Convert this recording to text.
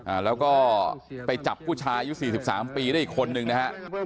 เอ่อแล้วก็ไปจับผู้ชายเยอะ๔๓ปีได้อีกคนนึงนะฮะ